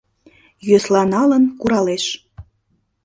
Йӧсланалын куралеш.